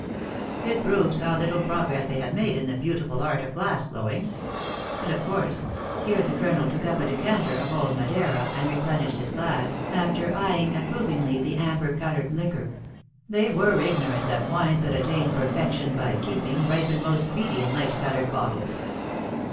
It proves how little progress they had made in the beautiful art of glass blowing ; and, of course, (here the colonel took up a decanter of old Madeira and re plenished his glass, after eyeing approvingly the am 36 THE ACTRESS IN HIGH LIFE. ber colored liquor,) they were ignorant that wines that attain perfection by keeping, ripen most speedy in light colored bottles."